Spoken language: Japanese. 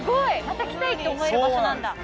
また来たいって思える場所なんだ。